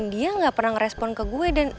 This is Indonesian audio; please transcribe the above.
dia gak pernah ngerespon ke gue